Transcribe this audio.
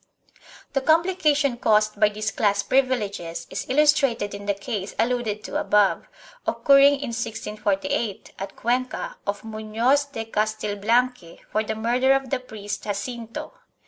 1 The complica tion caused by these class privileges is illustrated in the case alluded to above, occurring in 1648, at Cuenca, of Munoz de Castilblanque for the murder of the priest Jacinto.